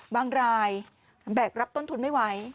บางรายแบกรับต้นทุนไม่ไหว